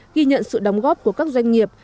ghi nhận sự đóng góp của các doanh nghiệp